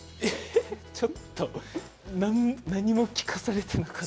ちょっと何も聞かされていなくて。